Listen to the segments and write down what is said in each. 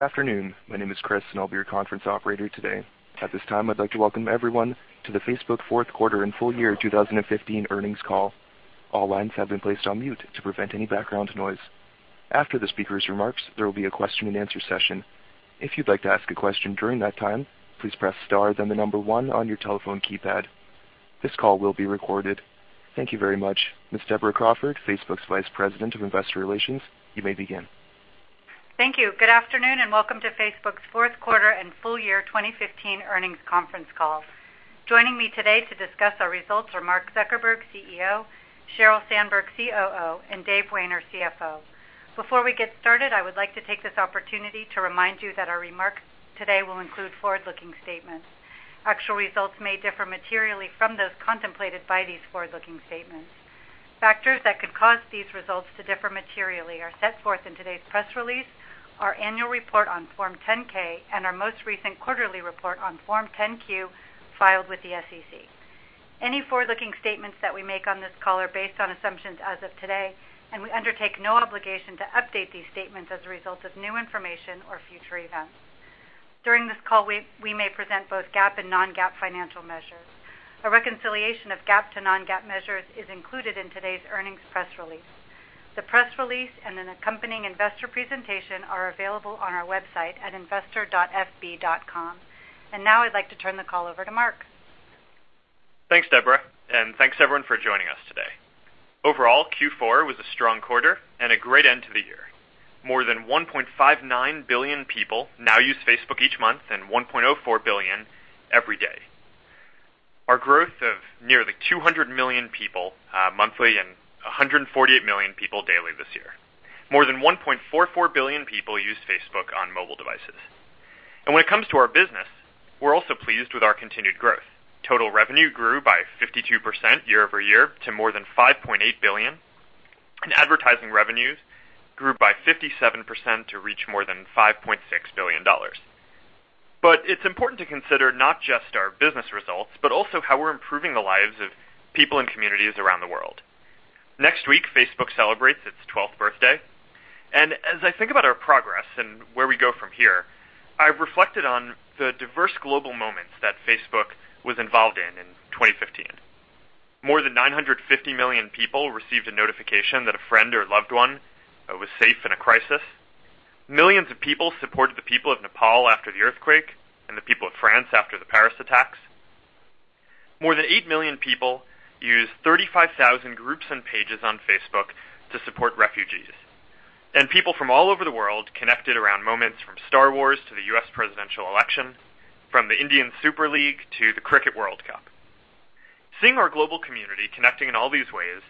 Good afternoon? My name is Chris, and I'll be your conference operator today. At this time, I'd like to welcome everyone to the Facebook fourth quarter and full year 2015 earnings call. All lines have been placed on mute to prevent any background noise. After the speaker's remarks, there will be a question-and-answer session. If you'd like to ask a question during that time, please press star, then number one on your telephone keypad. This call will be recorded. Thank you very much. Ms. Deborah Crawford, Facebook's Vice President of Investor Relations, you may begin. Thank you. Good afternoon, and welcome to Facebook's fourth quarter and full year 2015 earnings conference call. Joining me today to discuss our results are Mark Zuckerberg, CEO, Sheryl Sandberg, COO, and Dave Wehner, CFO. Before we get started, I would like to take this opportunity to remind you that our remarks today will include forward-looking statements. Actual results may differ materially from those contemplated by these forward-looking statements. Factors that could cause these results to differ materially are set forth in today's press release, our annual report on Form 10-K, and our most recent quarterly report on Form 10-Q filed with the SEC. Any forward-looking statements that we make on this call are based on assumptions as of today, and we undertake no obligation to update these statements as a result of new information or future events. During this call, we may present both GAAP and non-GAAP financial measures. A reconciliation of GAAP to non-GAAP measures is included in today's earnings press release. The press release and an accompanying investor presentation are available on our website at investor.fb.com. Now I'd like to turn the call over to Mark. Thanks, Deborah. Thanks everyone for joining us today. Overall, Q4 was a strong quarter and a great end to the year. More than 1.59 billion people now use Facebook each month and 1.04 billion every day. Our growth of nearly 200 million people monthly and 148 million people daily this year. More than 1.44 billion people use Facebook on mobile devices. When it comes to our business, we're also pleased with our continued growth. Total revenue grew by 52% year-over-year to more than $5.8 billion, and advertising revenues grew by 57% to reach more than $5.6 billion. It's important to consider not just our business results, but also how we're improving the lives of people and communities around the world. Next week, Facebook celebrates its 12th birthday. As I think about our progress and where we go from here, I've reflected on the diverse global moments that Facebook was involved in 2015. More than 950 million people received a notification that a friend or loved one was safe in a crisis. Millions of people supported the people of Nepal after the earthquake and the people of France after the Paris attacks. More than 8 million people used 35,000 groups and Pages on Facebook to support refugees. People from all over the world connected around moments from Star Wars to the U.S. presidential election, from the Indian Super League to the Cricket World Cup. Seeing our global community connecting in all these ways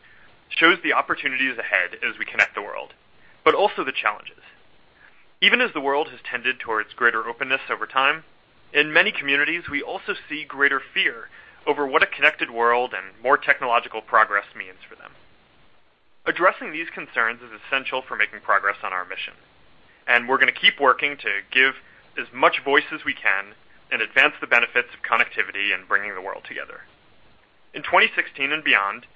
shows the opportunities ahead as we connect the world, but also the challenges. Even as the world has tended towards greater openness over time, in many communities, we also see greater fear over what a connected world and more technological progress means for them. Addressing these concerns is essential for making progress on our mission, we're gonna keep working to give as much voice as we can and advance the benefits of connectivity and bringing the world together. In 2016 and beyond,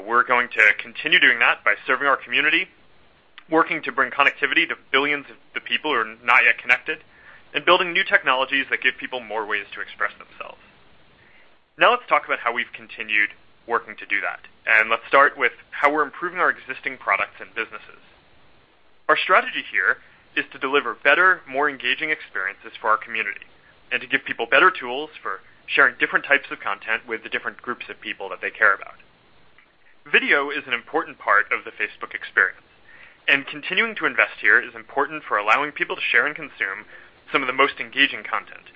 we're going to continue doing that by serving our community, working to bring connectivity to billions of the people who are not yet connected, and building new technologies that give people more ways to express themselves. Now let's talk about how we've continued working to do that, let's start with how we're improving our existing products and businesses. Our strategy here is to deliver better, more engaging experiences for our community and to give people better tools for sharing different types of content with the different groups of people that they care about. Video is an important part of the Facebook experience, and continuing to invest here is important for allowing people to share and consume some of the most engaging content.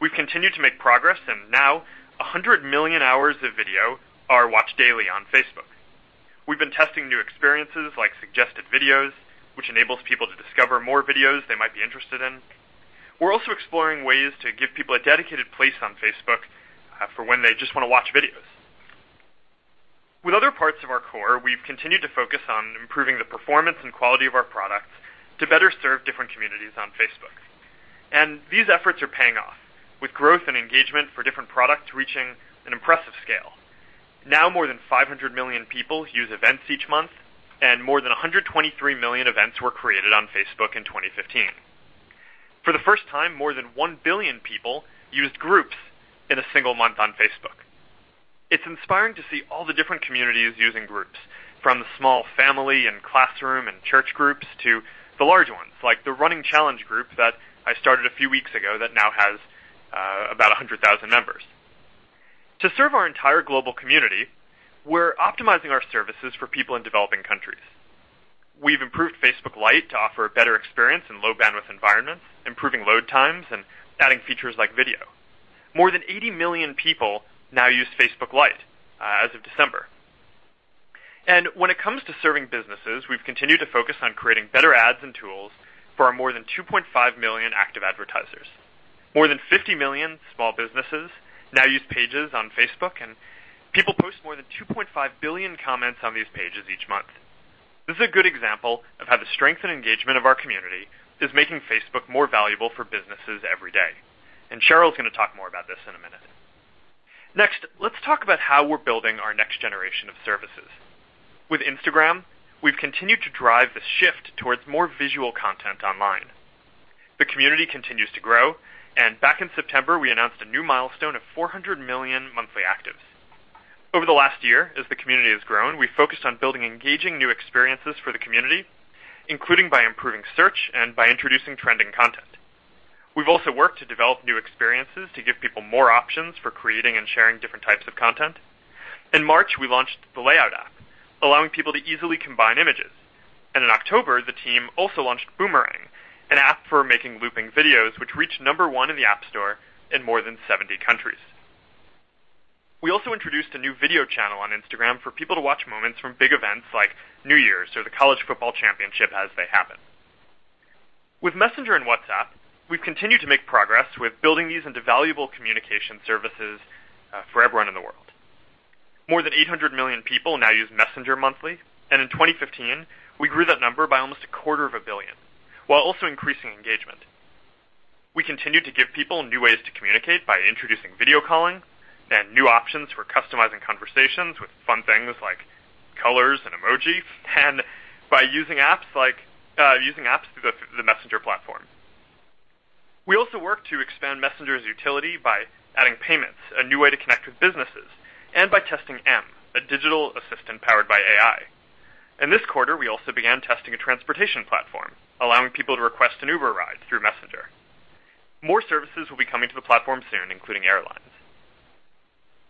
We've continued to make progress, and now 100 million hours of video are watched daily on Facebook. We've been testing new experiences like suggested videos, which enables people to discover more videos they might be interested in. We're also exploring ways to give people a dedicated place on Facebook for when they just wanna watch videos. With other parts of our core, we've continued to focus on improving the performance and quality of our products to better serve different communities on Facebook. These efforts are paying off, with growth and engagement for different products reaching an impressive scale. Now more than 500 million people use events each month, and more than 123 million events were created on Facebook in 2015. For the first time, more than 1 billion people used Groups in a single month on Facebook. It's inspiring to see all the different communities using groups, from the small family and classroom and church groups to the large ones, like the Running Challenge group that I started a few weeks ago that now has about 100,000 members. To serve our entire global community, we're optimizing our services for people in developing countries. We've improved Facebook Lite to offer a better experience in low-bandwidth environments, improving load times and adding features like video. More than 80 million people now use Facebook Lite as of December. When it comes to serving businesses, we've continued to focus on creating better ads and tools for our more than 2.5 million active advertisers. More than 50 million small businesses now use Pages on Facebook, and people post more than 2.5 billion comments on these Pages each month. This is a good example of how the strength and engagement of our community is making Facebook more valuable for businesses every day. Sheryl's gonna talk more about this in a minute. Next, let's talk about how we're building our next generation of services. With Instagram, we've continued to drive the shift towards more visual content online. The community continues to grow, and back in September, we announced a new milestone of 400 million monthly actives. Over the last year, as the community has grown, we focused on building engaging new experiences for the community, including by improving search and by introducing trending content. We've also worked to develop new experiences to give people more options for creating and sharing different types of content. In March, we launched the Layout app, allowing people to easily combine images. In October, the team also launched Boomerang, an app for making looping videos, which reached number one in the App Store in more than 70 countries. We also introduced a new video channel on Instagram for people to watch moments from big events like New Year's or the College Football Championship as they happen. With Messenger and WhatsApp, we've continued to make progress with building these into valuable communication services for everyone in the world. More than 800 million people now use Messenger monthly, and in 2015 we grew that number by almost a 0.25 billion, while also increasing engagement. We continued to give people new ways to communicate by introducing video calling and new options for customizing conversations with fun things like colors and emoji, and by using apps through the Messenger platform. We also worked to expand Messenger's utility by adding payments, a new way to connect with businesses, and by testing M, a digital assistant powered by AI. In this quarter, we also began testing a transportation platform, allowing people to request an Uber ride through Messenger. More services will be coming to the platform soon, including airlines.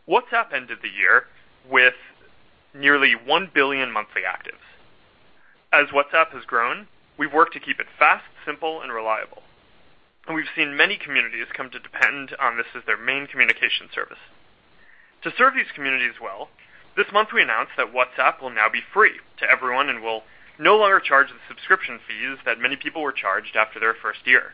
WhatsApp ended the year with nearly one billion monthly actives. As WhatsApp has grown, we've worked to keep it fast, simple, and reliable. We've seen many communities come to depend on this as their main communication service. To serve these communities well, this month we announced that WhatsApp will now be free to everyone and will no longer charge the subscription fees that many people were charged after their first year.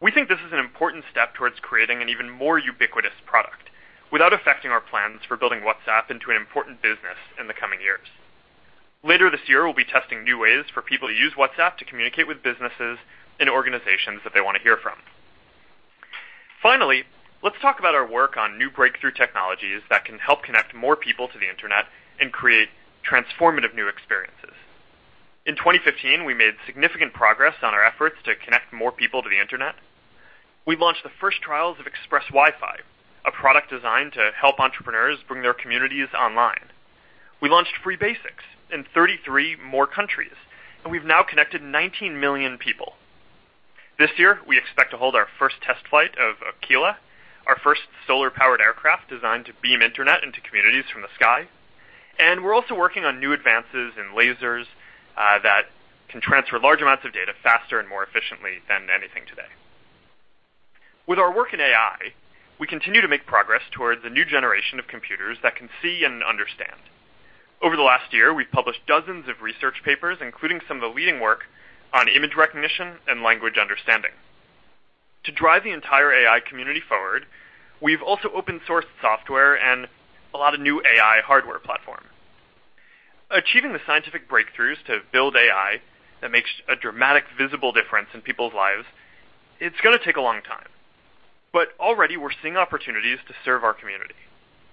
We think this is an important step towards creating an even more ubiquitous product without affecting our plans for building WhatsApp into an important business in the coming years. Later this year, we'll be testing new ways for people to use WhatsApp to communicate with businesses and organizations that they wanna hear from. Finally, let's talk about our work on new breakthrough technologies that can help connect more people to the internet and create transformative new experiences. In 2015, we made significant progress on our efforts to connect more people to the internet. We launched the first trials of Express Wi-Fi, a product designed to help entrepreneurs bring their communities online. We launched Free Basics in 33 more countries, and we've now connected 19 million people. This year, we expect to hold our first test flight of Aquila, our first solar-powered aircraft designed to beam internet into communities from the sky. We're also working on new advances in lasers that can transfer large amounts of data faster and more efficiently than anything today. With our work in AI, we continue to make progress towards a new generation of computers that can see and understand. Over the last year, we've published dozens of research papers, including some of the leading work on image recognition and language understanding. To drive the entire AI community forward, we've also open-sourced software and a lot of new AI hardware platform. Achieving the scientific breakthroughs to build AI that makes a dramatic visible difference in people's lives, it's gonna take a long time. Already we're seeing opportunities to serve our community.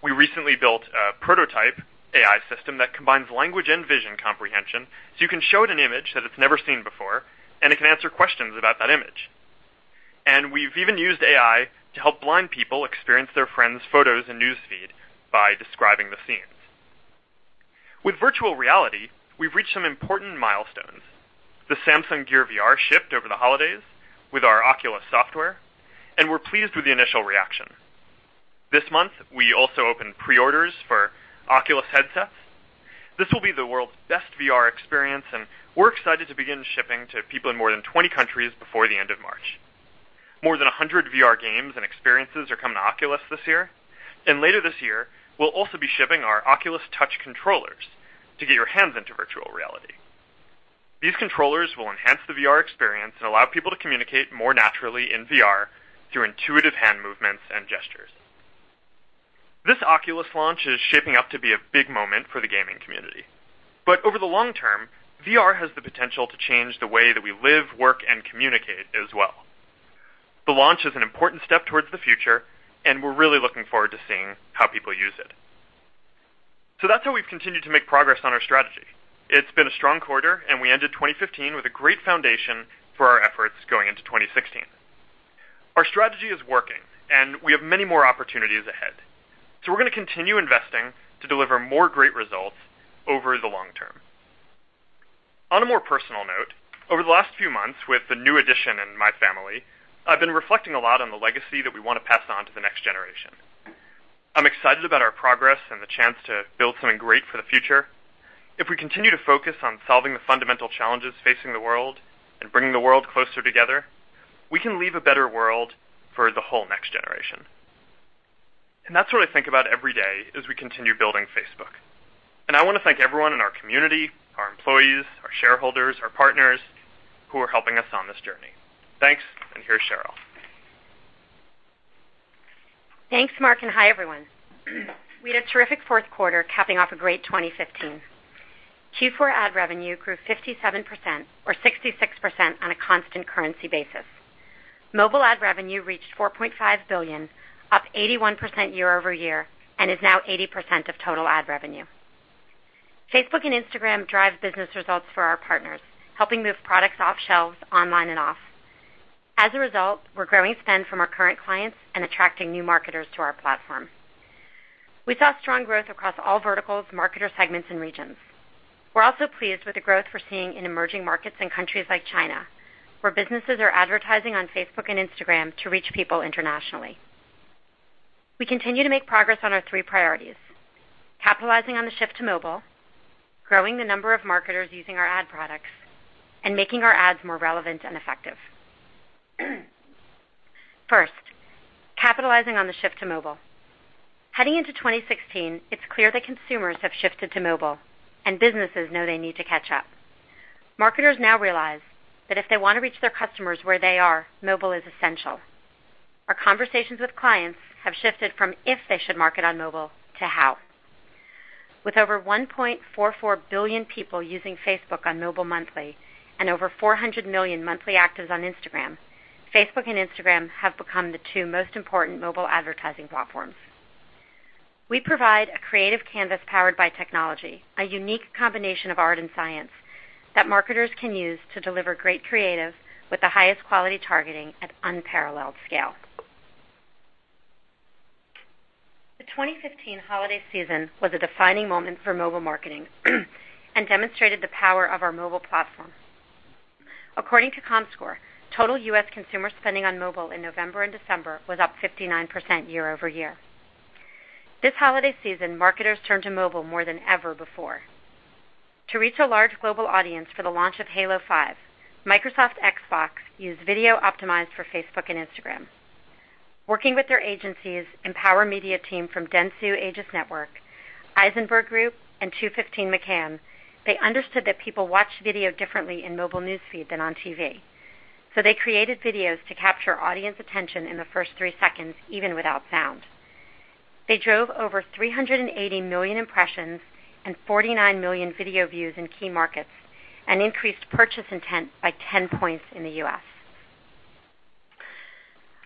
We recently built a prototype AI system that combines language and vision comprehension, so you can show it an image that it's never seen before, and it can answer questions about that image. We've even used AI to help blind people experience their friends' photos and News Feed by describing the scenes. With virtual reality, we've reached some important milestones. The Samsung Gear VR shipped over the holidays with our Oculus software, and we're pleased with the initial reaction. This month, we also opened pre-orders for Oculus headsets. This will be the world's best VR experience, and we're excited to begin shipping to people in more than 20 countries before the end of March. More than 100 VR games and experiences are coming to Oculus this year. Later this year, we'll also be shipping our Oculus Touch controllers to get your hands into virtual reality. These controllers will enhance the VR experience and allow people to communicate more naturally in VR through intuitive hand movements and gestures. This Oculus launch is shaping up to be a big moment for the gaming community. Over the long term, VR has the potential to change the way that we live, work, and communicate as well. The launch is an important step towards the future. We're really looking forward to seeing how people use it. That's how we've continued to make progress on our strategy. It's been a strong quarter. We ended 2015 with a great foundation for our efforts going into 2016. Our strategy is working, and we have many more opportunities ahead. We're gonna continue investing to deliver more great results over the long term. On a more personal note, over the last few months with the new addition in my family, I've been reflecting a lot on the legacy that we wanna pass on to the next generation. I'm excited about our progress and the chance to build something great for the future. If we continue to focus on solving the fundamental challenges facing the world and bringing the world closer together, we can leave a better world for the whole next generation. That's what I think about every day as we continue building Facebook. I wanna thank everyone in our community, our employees, our shareholders, our partners who are helping us on this journey. Thanks, and here's Sheryl. Thanks, Mark, and hi, everyone. We had a terrific fourth quarter capping off a great 2015. Q4 ad revenue grew 57% or 66% on a constant currency basis. Mobile ad revenue reached $4.5 billion, up 81% year-over-year, and is now 80% of total ad revenue. Facebook and Instagram drive business results for our partners, helping move products off shelves online and off. As a result, we're growing spend from our current clients and attracting new marketers to our platform. We saw strong growth across all verticals, marketer segments and regions. We're also pleased with the growth we're seeing in emerging markets in countries like China, where businesses are advertising on Facebook and Instagram to reach people internationally. We continue to make progress on our three priorities, capitalizing on the shift to mobile, growing the number of marketers using our ad products, and making our ads more relevant and effective. First, capitalizing on the shift to mobile. Heading into 2016, it's clear that consumers have shifted to mobile and businesses know they need to catch up. Marketers now realize that if they wanna reach their customers where they are, mobile is essential. Our conversations with clients have shifted from if they should market on mobile to how. With over 1.44 billion people using Facebook on mobile monthly and over 400 million monthly actives on Instagram, Facebook and Instagram have become the two most important mobile advertising platforms. We provide a creative Canvas powered by technology, a unique combination of art and science that marketers can use to deliver great creative with the highest quality targeting at unparalleled scale. The 2015 holiday season was a defining moment for mobile marketing and demonstrated the power of our mobile platform. According to Comscore, total U.S. consumer spending on mobile in November and December was up 59% year-over-year. This holiday season, marketers turned to mobile more than ever before. To reach a large global audience for the launch of Halo 5, Microsoft Xbox used video optimized for Facebook and Instagram. Working with their agencies, Empower Media team from Dentsu Aegis Network, Ayzenberg Group, and 215 McCann, they understood that people watch video differently in mobile News Feed than on TV, so they created videos to capture audience attention in the first three seconds, even without sound. They drove over 380 million impressions and 49 million video views in key markets and increased purchase intent by 10 points in the U.S.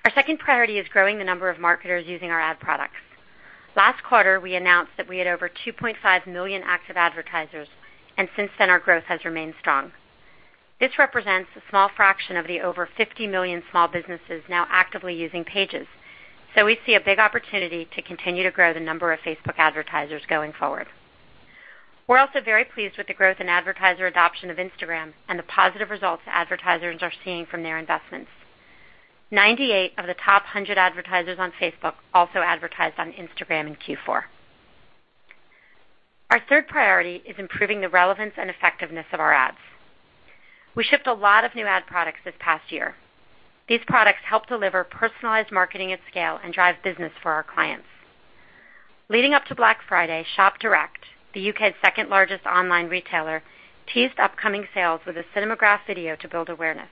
Our second priority is growing the number of marketers using our ad products. Last quarter, we announced that we had over 2.5 million active advertisers, and since then, our growth has remained strong. This represents a small fraction of the over 50 million small businesses now actively using Pages. We see a big opportunity to continue to grow the number of Facebook advertisers going forward. We're also very pleased with the growth in advertiser adoption of Instagram and the positive results advertisers are seeing from their investments. 98 of the top 100 advertisers on Facebook also advertised on Instagram in Q4. Our third priority is improving the relevance and effectiveness of our ads. We shipped a lot of new ad products this past year. These products help deliver personalized marketing at scale and drive business for our clients. Leading up to Black Friday, Shop Direct, the U.K.'s second-largest online retailer, teased upcoming sales with a cinemagraph video to build awareness.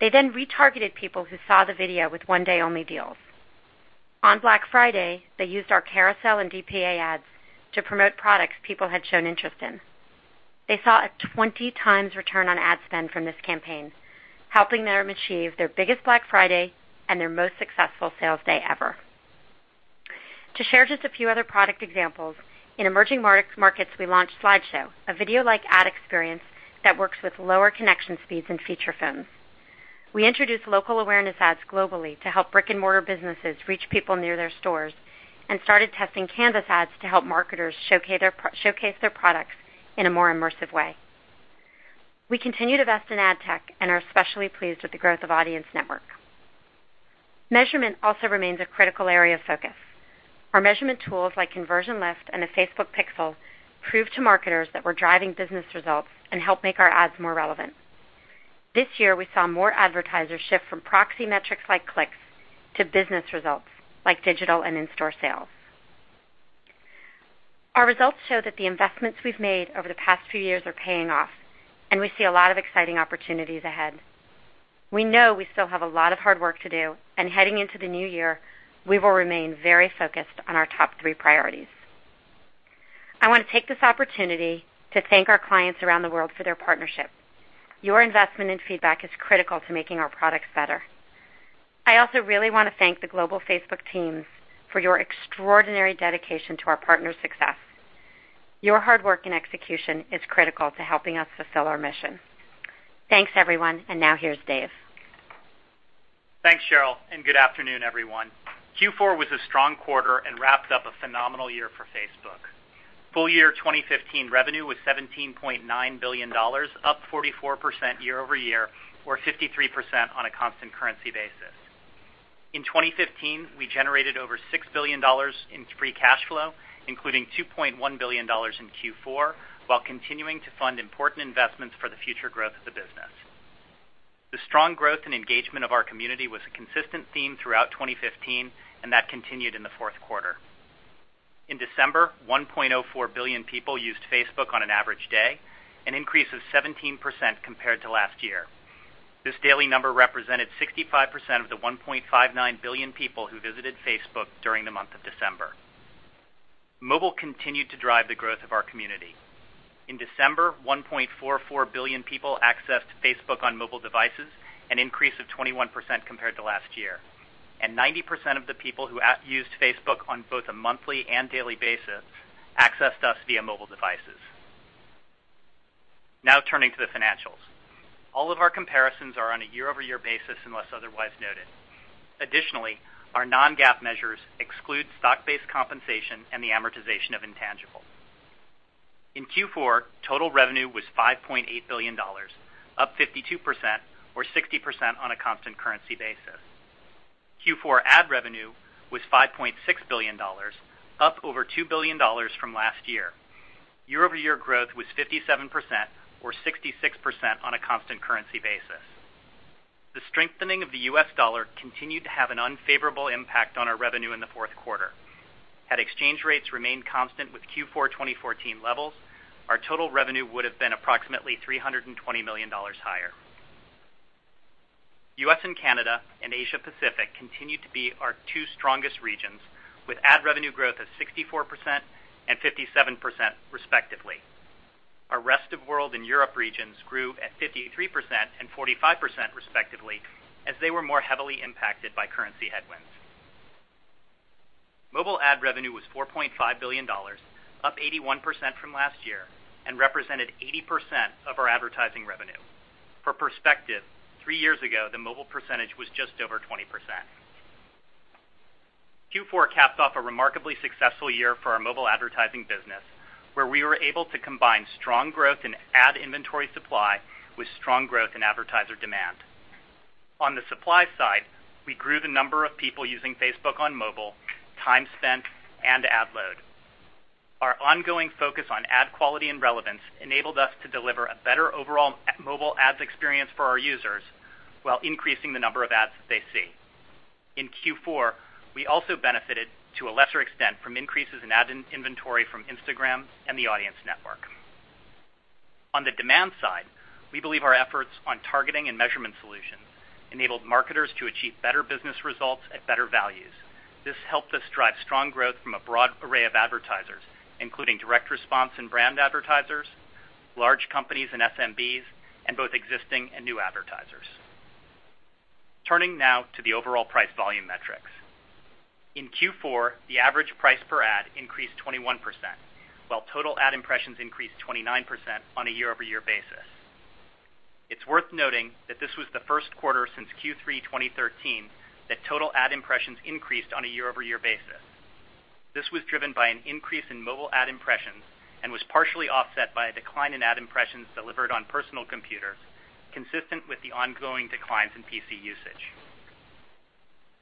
They then retargeted people who saw the video with one-day only deals. On Black Friday, they used our carousel and DPA ads to promote products people had shown interest in. They saw a 20x return on ad spend from this campaign, helping them achieve their biggest Black Friday and their most successful sales day ever. To share just a few other product examples, in emerging markets, we launched Slideshow, a video-like ad experience that works with lower connection speeds and feature phones. We introduced local awareness ads globally to help brick-and-mortar businesses reach people near their stores and started testing Canvas ads to help marketers showcase their products in a more immersive way. We continue to invest in ad tech and are especially pleased with the growth of Audience Network. Measurement also remains a critical area of focus. Our measurement tools, like Conversion Lift and the Facebook Pixel, prove to marketers that we're driving business results and help make our ads more relevant. This year, we saw more advertisers shift from proxy metrics like clicks to business results like digital and in-store sales. Our results show that the investments we've made over the past few years are paying off, and we see a lot of exciting opportunities ahead. We know we still have a lot of hard work to do, and heading into the new year, we will remain very focused on our top three priorities. I wanna take this opportunity to thank our clients around the world for their partnership. Your investment and feedback is critical to making our products better. I also really wanna thank the global Facebook teams for your extraordinary dedication to our partners' success. Your hard work and execution is critical to helping us fulfill our mission. Thanks, everyone. Now here's Dave. Thanks, Sheryl, and good afternoon, everyone. Q4 was a strong quarter and wrapped up a phenomenal year for Facebook. Full year 2015 revenue was $17.9 billion, up 44% year-over-year or 53% on a constant currency basis. In 2015, we generated over $6 billion in free cash flow, including $2.1 billion in Q4, while continuing to fund important investments for the future growth of the business. The strong growth and engagement of our community was a consistent theme throughout 2015, and that continued in the fourth quarter. In December, 1.04 billion people used Facebook on an average day, an increase of 17% compared to last year. This daily number represented 65% of the 1.59 billion people who visited Facebook during the month of December. Mobile continued to drive the growth of our community. In December, 1.44 billion people accessed Facebook on mobile devices, an increase of 21% compared to last year and 90% of the people who used Facebook on both a monthly and daily basis accessed us via mobile devices. Turning to the financials. All of our comparisons are on a year-over-year basis, unless otherwise noted. Additionally, our non-GAAP measures exclude stock-based compensation and the amortization of intangibles. In Q4, total revenue was $5.8 billion, up 52% or 60% on a constant currency basis. Q4 ad revenue was $5.6 billion, up over $2 billion from last year. Year-over-year growth was 57% or 66% on a constant currency basis. The strengthening of the U.S. dollar continued to have an unfavorable impact on our revenue in the fourth quarter. Had exchange rates remained constant with Q4 2014 levels, our total revenue would have been approximately $320 million higher. U.S. and Canada and Asia-Pacific continue to be our two strongest regions, with ad revenue growth of 64% and 57% respectively. Our rest of world and Europe regions grew at 53% and 45% respectively, as they were more heavily impacted by currency headwinds. Mobile ad revenue was $4.5 billion, up 81% from last year and represented 80% of our advertising revenue. For perspective, three years ago, the mobile percentage was just over 20%. Q4 capped off a remarkably successful year for our mobile advertising business, where we were able to combine strong growth in ad inventory supply with strong growth in advertiser demand. On the supply side, we grew the number of people using Facebook on mobile, time spent and ad load. Our ongoing focus on ad quality and relevance enabled us to deliver a better overall mobile ads experience for our users while increasing the number of ads that they see. In Q4, we also benefited to a lesser extent from increases in ad inventory from Instagram and the Audience Network. On the demand side, we believe our efforts on targeting and measurement solutions enabled marketers to achieve better business results at better values. This helped us drive strong growth from a broad array of advertisers, including direct response and brand advertisers, large companies and SMBs, and both existing and new advertisers. Turning now to the overall price-volume metrics. In Q4, the average price per ad increased 21%, while total ad impressions increased 29% on a year-over-year basis. It's worth noting that this was the first quarter since Q3 2013 that total ad impressions increased on a year-over-year basis. This was driven by an increase in mobile ad impressions and was partially offset by a decline in ad impressions delivered on personal computers, consistent with the ongoing declines in PC usage.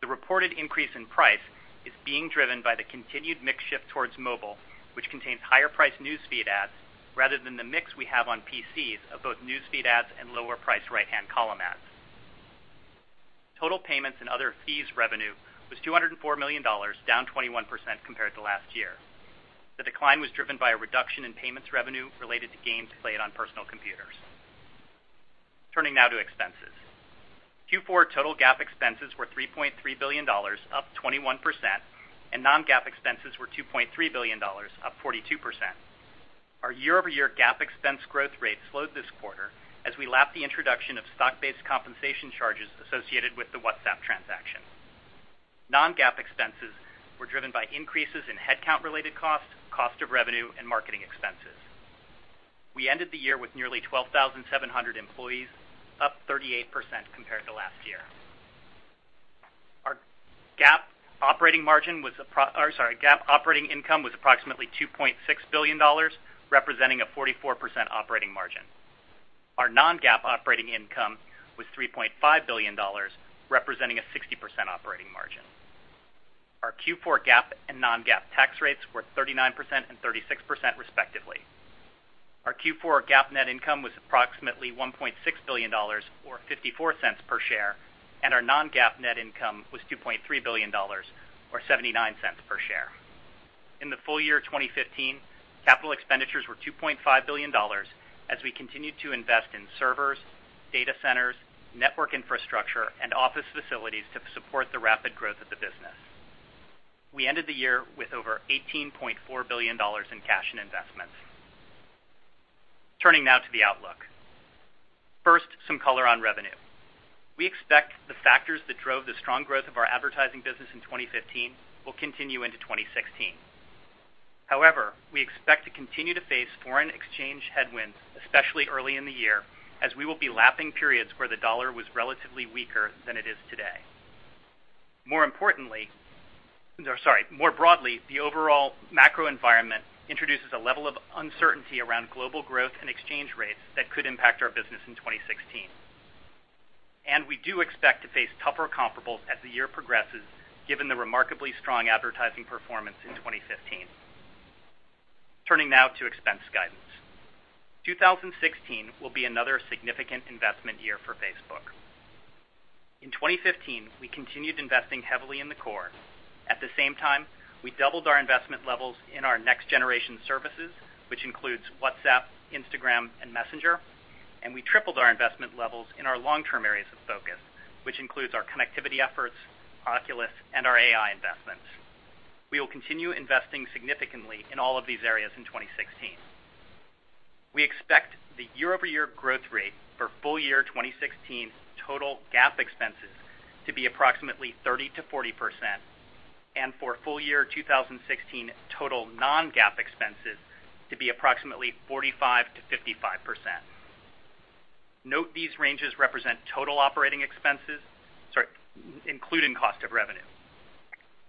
The reported increase in price is being driven by the continued mix shift towards mobile, which contains higher priced News Feed ads rather than the mix we have on PCs of both News Feed ads and lower priced right-hand column ads. Total payments and other fees revenue was $204 million, down 21% compared to last year. The decline was driven by a reduction in payments revenue related to games played on personal computers. Turning now to expenses. Q4 total GAAP expenses were $3.3 billion, up 21%, and non-GAAP expenses were $2.3 billion, up 42%. Our year-over-year GAAP expense growth rate slowed this quarter as we lapped the introduction of stock-based compensation charges associated with the WhatsApp transaction. Non-GAAP expenses were driven by increases in headcount related costs, cost of revenue and marketing expenses. We ended the year with nearly 12,700 employees, up 38% compared to last year. Our GAAP operating income was approximately $2.6 billion, representing a 44% operating margin. Our non-GAAP operating income was $3.5 billion, representing a 60% operating margin. Our Q4 GAAP and non-GAAP tax rates were 39% and 36% respectively. Our Q4 GAAP net income was approximately $1.6 billion or $0.54 per share, and our non-GAAP net income was $2.3 billion or $0.79 per share. In the full year 2015, capital expenditures were $2.5 billion as we continued to invest in servers, data centers, network infrastructure and office facilities to support the rapid growth of the business. We ended the year with over $18.4 billion in cash and investments. Turning now to the outlook. First, some color on revenue. We expect the factors that drove the strong growth of our advertising business in 2015 will continue into 2016. However, we expect to continue to face foreign exchange headwinds, especially early in the year, as we will be lapping periods where the dollar was relatively weaker than it is today. More broadly, the overall macro environment introduces a level of uncertainty around global growth and exchange rates that could impact our business in 2016. We do expect to face tougher comparables as the year progresses, given the remarkably strong advertising performance in 2015. Turning now to expense guidance. 2016 will be another significant investment year for Facebook. In 2015, we continued investing heavily in the core. At the same time, we doubled our investment levels in our next-generation services, which includes WhatsApp, Instagram, and Messenger, and we tripled our investment levels in our long-term areas of focus, which includes our connectivity efforts, Oculus, and our AI investments. We will continue investing significantly in all of these areas in 2016. We expect the year-over-year growth rate for full year 2016 total GAAP expenses to be approximately 30%-40% and for full year 2016 total non-GAAP expenses to be approximately 45%-55%. Note these ranges represent total operating expenses, sorry, including cost of revenue.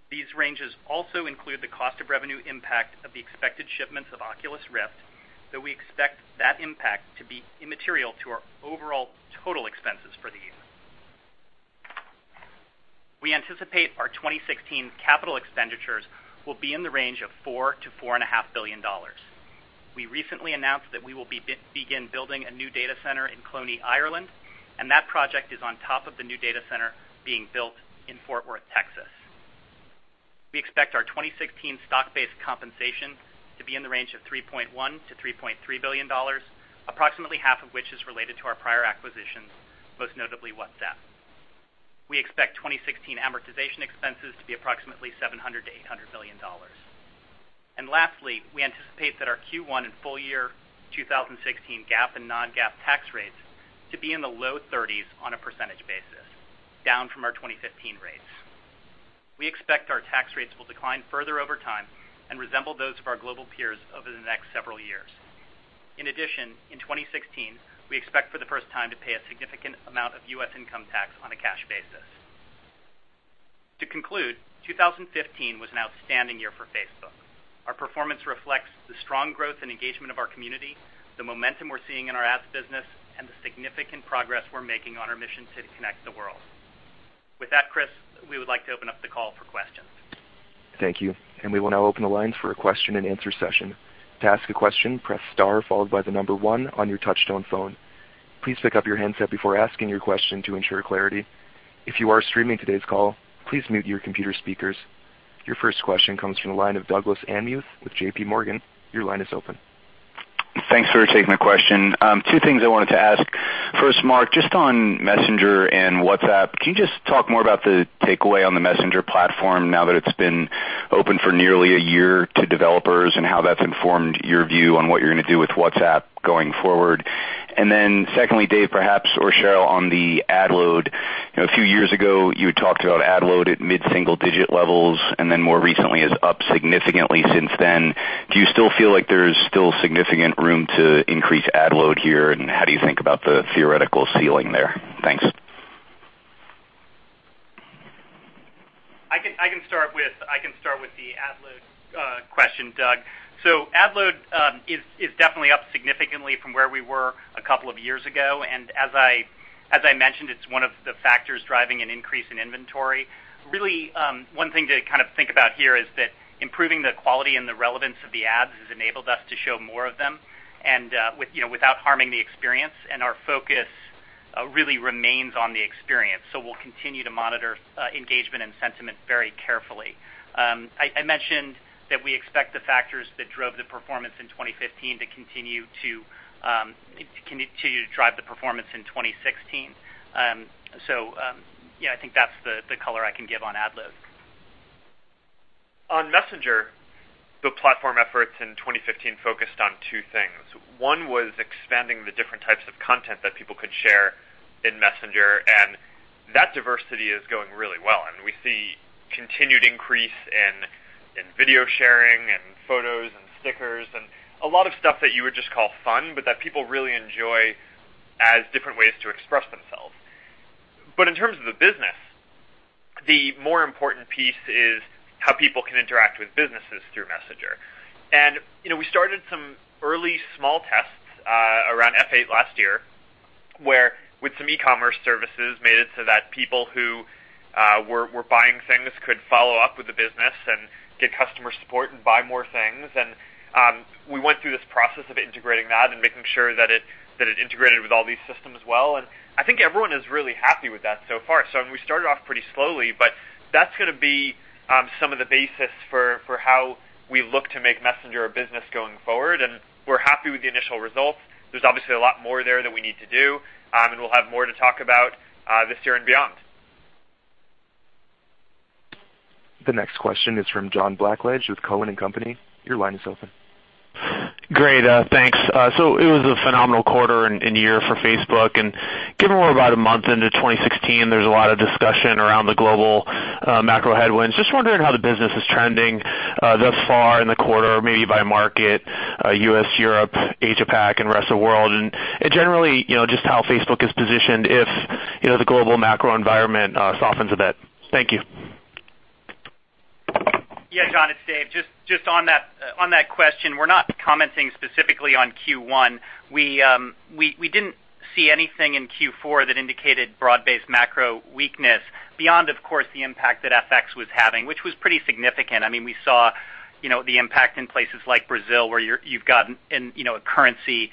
These ranges also include the cost of revenue impact of the expected shipments of Oculus Rift, though we expect that impact to be immaterial to our overall total expenses for the year. We anticipate our 2016 capital expenditures will be in the range of $4 billion-$4.5 Billion dollars. We recently announced that we will begin building a new data center in Clonee, Ireland, and that project is on top of the new data center being built in Fort Worth, Texas. We expect our 2016 stock-based compensation to be in the range of $3.1 billion-$3.3 billion, approximately half of which is related to our prior acquisitions, most notably WhatsApp. We expect 2016 amortization expenses to be approximately $700 million-$800 million. Lastly, we anticipate that our Q1 and full year 2016 GAAP and non-GAAP tax rates to be in the low 30s% on a percentage basis, down from our 2015 rates. We expect our tax rates will decline further over time and resemble those of our global peers over the next several years. In addition, in 2016, we expect for the first time to pay a significant amount of U.S. income tax on a cash basis. To conclude, 2015 was an outstanding year for Facebook. Our performance reflects the strong growth and engagement of our community, the momentum we're seeing in our ads business, and the significant progress we're making on our mission to connect the world. With that, Chris, we would like to open up the call for questions. Thank you. We will now open the lines for a question-and-answer session. To ask a question, press star followed by the number one on your touchtone phone. Please pick up your handset before asking your question to ensure clarity. If you are streaming today's call, please mute your computer speakers. Your first question comes from the line of Douglas Anmuth with JPMorgan, your line is open. Thanks for taking the question. Two things I wanted to ask. First, Mark, just on Messenger and WhatsApp, can you just talk more about the takeaway on the Messenger platform now that it's been open for nearly one year to developers and how that's informed your view on what you're gonna do with WhatsApp going forward? Secondly, Dave, perhaps, or Sheryl on the ad load. You know, a few years ago, you had talked about ad load at mid-single digit levels, and then more recently is up significantly since then. Do you still feel like there's still significant room to increase ad load here? How do you think about the theoretical ceiling there? Thanks. I can start with the ad load question, Doug. Ad load is definitely up significantly from where we were two years ago. As I mentioned, it's one of the factors driving an increase in inventory. Really, one thing to kind of think about here is that improving the quality and the relevance of the ads has enabled us to show more of them and, with, you know, without harming the experience, and our focus really remains on the experience. We'll continue to monitor engagement and sentiment very carefully. I mentioned that we expect the factors that drove the performance in 2015 to continue to drive the performance in 2016. Yeah, I think that's the color I can give on ad load. On Messenger, the platform efforts in 2015 focused on two things. One was expanding the different types of content that people could share in Messenger, that diversity is going really well. We see continued increase in video sharing and photos and stickers and a lot of stuff that you would just call fun, but that people really enjoy as different ways to express themselves. In terms of the business, the more important piece is how people can interact with businesses through Messenger. You know, we started some early small tests around F8 last year, where with some e-commerce services made it so that people who were buying things could follow up with the business and get customer support and buy more things. We went through this process of integrating that and making sure that it integrated with all these systems well, and I think everyone is really happy with that so far. I mean, we started off pretty slowly, but that's gonna be some of the basis for how we look to make Messenger a business going forward, and we're happy with the initial results. There's obviously a lot more there that we need to do, and we'll have more to talk about this year and beyond. The next question is from John Blackledge with Cowen and Company, Your line is open. Great, thanks. It was a phenomenal quarter and year for Facebook. Given we're about a month into 2016, there's a lot of discussion around the global macro headwinds. Just wondering how the business is trending thus far in the quarter, maybe by market, U.S., Europe, Asia Pac, and rest of world. Generally, you know, just how Facebook is positioned if, you know, the global macro environment softens a bit. Thank you. Yeah, John, it's Dave. Just on that question, we're not commenting specifically on Q1. We didn't see anything in Q4 that indicated broad-based macro weakness beyond, of course, the impact that FX was having, which was pretty significant. I mean, we saw, you know, the impact in places like Brazil, where you've got an, you know, a currency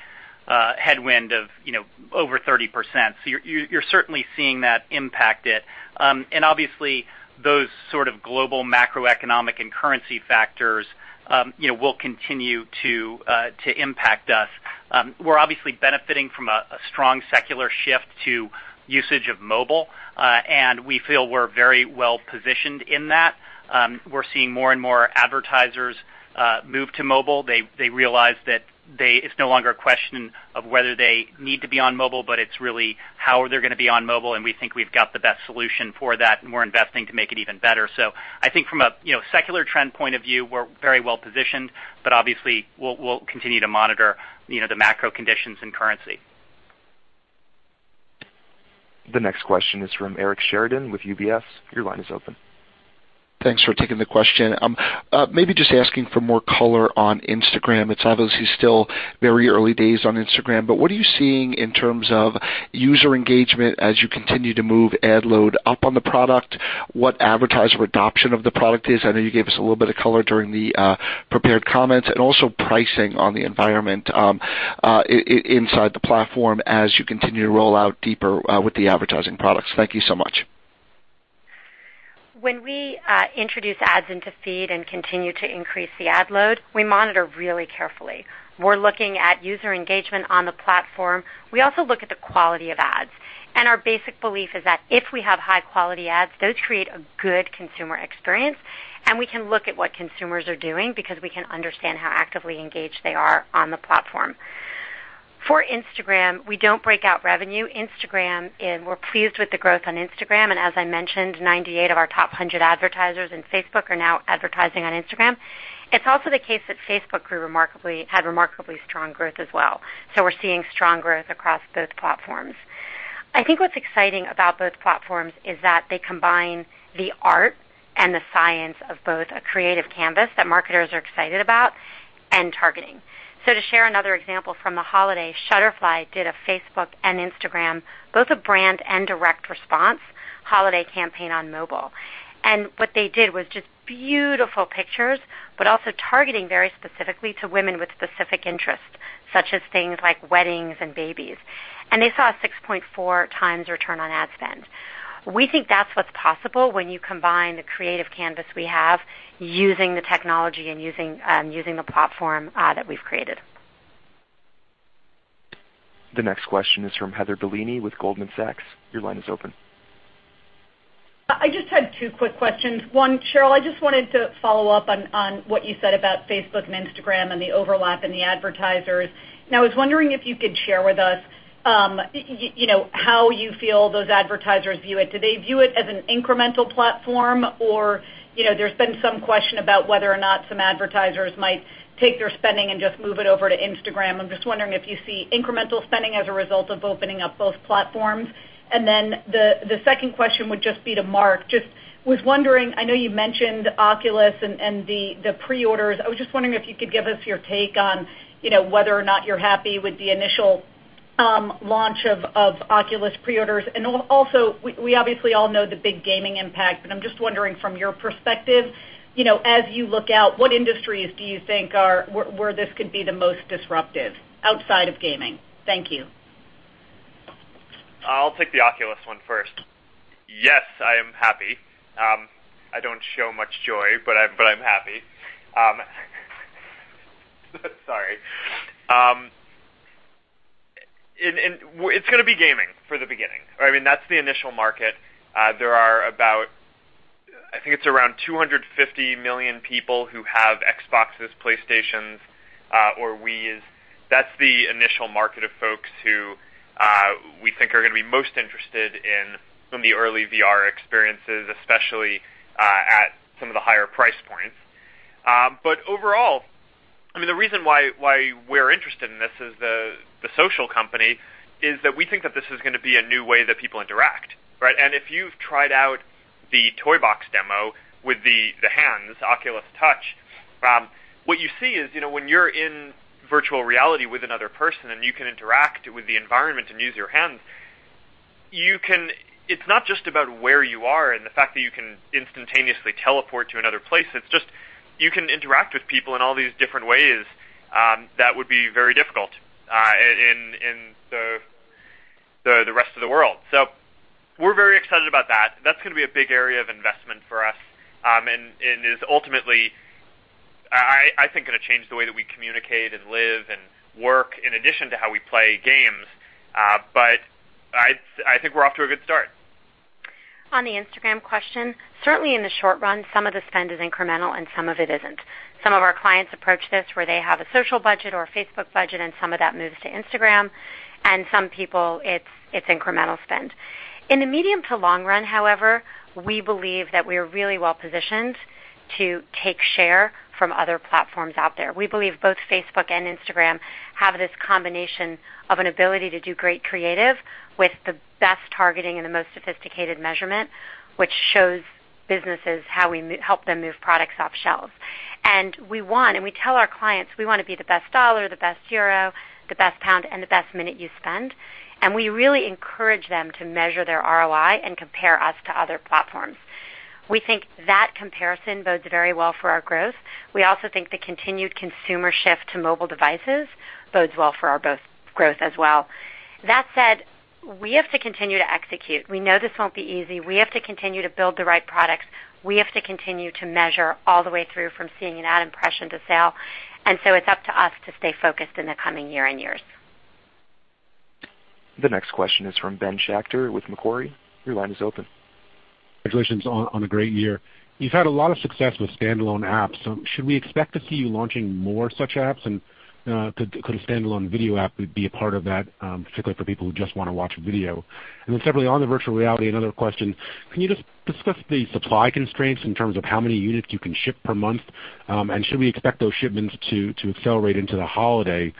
headwind of, you know, over 30%. You're certainly seeing that impact it. Obviously those sort of global macroeconomic and currency factors, you know, will continue to impact us. We're obviously benefiting from a strong secular shift to usage of mobile, we feel we're very well-positioned in that. We're seeing more and more advertisers move to mobile. They realize it's no longer a question of whether they need to be on mobile, but it's really how they're gonna be on mobile, and we think we've got the best solution for that, and we're investing to make it even better. I think from a, you know, secular trend point of view, we're very well-positioned, but obviously we'll continue to monitor, you know, the macro conditions and currency. The next question is from Eric Sheridan with UBS, your line is open. Thanks for taking the question. Maybe just asking for more color on Instagram. It's obviously still very early days on Instagram, but what are you seeing in terms of user engagement as you continue to move ad load up on the product? What advertiser adoption of the product is? I know you gave us a little bit of color during the prepared comments. Also pricing on the environment inside the platform as you continue to roll out deeper with the advertising products. Thank you so much. When we introduce ads into feed and continue to increase the ad load, we monitor really carefully. We're looking at user engagement on the platform. We also look at the quality of ads. Our basic belief is that if we have high-quality ads, those create a good consumer experience, and we can look at what consumers are doing because we can understand how actively engaged they are on the platform. For Instagram, we don't break out revenue. We're pleased with the growth on Instagram, and as I mentioned, 98 of our top 100 advertisers in Facebook are now advertising on Instagram. It's also the case that Facebook grew remarkably strong growth as well. We're seeing strong growth across both platforms. I think what's exciting about both platforms is that they combine the art and the science of both a creative canvas that marketers are excited about and targeting. To share another example from the holiday, Shutterfly did a Facebook and Instagram, both a brand and direct response holiday campaign on mobile. What they did was just beautiful pictures, but also targeting very specifically to women with specific interests, such as things like weddings and babies. They saw a 6.4x return on ad spend. We think that's what's possible when you combine the creative canvas we have using the technology and using the platform that we've created. The next question is from Heather Bellini with Goldman Sachs, your line is open. I just had two quick questions. One, Sheryl, I just wanted to follow up on what you said about Facebook and Instagram and the overlap in the advertisers. I was wondering if you could share with us, you know, how you feel those advertisers view it. Do they view it as an incremental platform? You know, there's been some question about whether or not some advertisers might take their spending and just move it over to Instagram. I'm just wondering if you see incremental spending as a result of opening up both platforms. The second question would just be to Mark. Just was wondering, I know you mentioned Oculus and the pre-orders. I was just wondering if you could give us your take on, you know, whether or not you're happy with the initial launch of Oculus pre-orders. Also, we obviously all know the big gaming impact, but I'm just wondering from your perspective, you know, as you look out, what industries do you think are where this could be the most disruptive outside of gaming? Thank you. I'll take the Oculus one first. Yes, I am happy. I don't show much joy, but I'm happy. It's gonna be gaming for the beginning. I mean, that's the initial market. There are about, I think it's around 250 million people who have Xboxes, PlayStations, or Wiis. That's the initial market of folks who we think are gonna be most interested in some of the early VR experiences, especially at some of the higher price points. Overall, I mean, the reason why we're interested in this as the social company is that we think that this is gonna be a new way that people interact, right? If you've tried out the Toybox demo with the hands, Oculus Touch, what you see is, you know, when you're in virtual reality with another person and you can interact with the environment and use your hands, it's not just about where you are and the fact that you can instantaneously teleport to another place. It's just, you can interact with people in all these different ways that would be very difficult in the rest of the world. We're very excited about that. That's gonna be a big area of investment for us, and is ultimately, I think gonna change the way that we communicate and live and work in addition to how we play games. I think we're off to a good start. On the Instagram question, certainly in the short run, some of the spend is incremental and some of it isn't. Some of our clients approach this where they have a social budget or a Facebook budget, and some of that moves to Instagram, and some people it's incremental spend. In the medium to long run, however, we believe that we are really well-positioned to take share from other platforms out there. We believe both Facebook and Instagram have this combination of an ability to do great creative with the best targeting and the most sophisticated measurement, which shows businesses how we help them move products off shelves. We want, and we tell our clients we wanna be the best dollar, the best euro, the best pound, and the best minute you spend, and we really encourage them to measure their ROI and compare us to other platforms. We think that comparison bodes very well for our growth. We also think the continued consumer shift to mobile devices bodes well for our both growth as well. That said, we have to continue to execute. We know this won't be easy. We have to continue to build the right products. We have to continue to measure all the way through from seeing an ad impression to sale. It's up to us to stay focused in the coming year and years. The next question is from Ben Schachter with Macquarie, your line is open. Congratulations on a great year. You've had a lot of success with standalone apps. Should we expect to see you launching more such apps? Could a standalone video app be a part of that, particularly for people who just wanna watch video? Separately, on the virtual reality, another question. Can you just discuss the supply constraints in terms of how many units you can ship per month? Should we expect those shipments to accelerate into the holiday?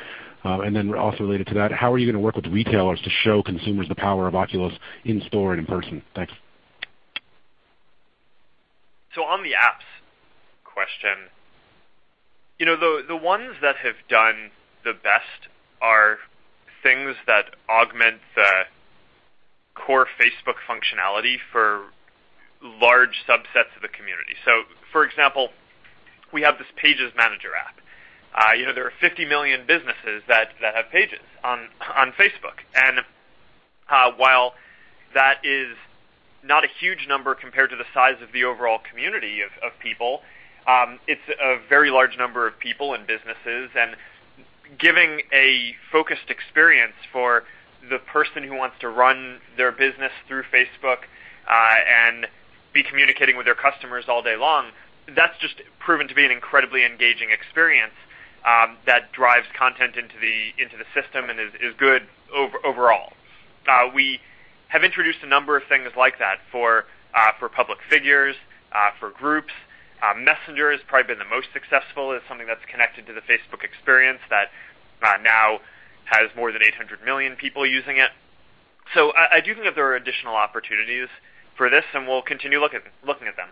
Also related to that, how are you gonna work with retailers to show consumers the power of Oculus in store and in person? Thanks. On the apps question, you know, the ones that have done the best are things that augment the core Facebook functionality for large subsets of the community. For example, we have this Pages Manager app. You know, there are 50 million businesses that have Pages on Facebook. While that is not a huge number compared to the size of the overall community of people, it's a very large number of people and businesses. Giving a focused experience for the person who wants to run their business through Facebook and be communicating with their customers all day long, that's just proven to be an incredibly engaging experience that drives content into the system and is good overall. We have introduced a number of things like that for public figures, for groups. Messenger has probably been the most successful as something that's connected to the Facebook experience that, now has more than 800 million people using it. I do think that there are additional opportunities for this, and we'll continue looking at them.